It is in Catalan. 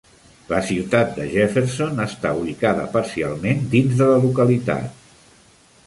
La ciutat de Jefferson està ubicada parcialment dins de la localitat.